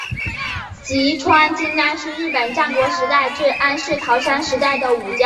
吉川经安是日本战国时代至安土桃山时代的武将。